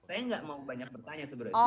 saya nggak mau banyak bertanya sebenarnya